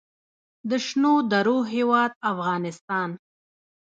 د شنو درو هیواد افغانستان.